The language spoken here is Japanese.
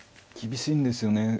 厳しいんですよね。